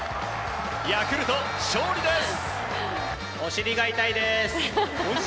ヤクルト、勝利です！